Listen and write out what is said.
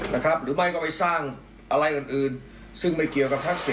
ในวันนี้